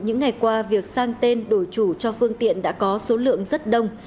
những ngày qua việc sang tên đổi chủ cho phương tiện đã có số lượng rất đông